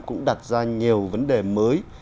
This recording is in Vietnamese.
cũng đặt ra nhiều vấn đề mới